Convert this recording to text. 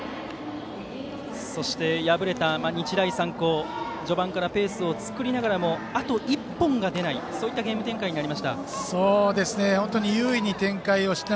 そして、敗れた日大三高序盤からペースを作りながらもあと１本が出ないそういったゲーム展開でした。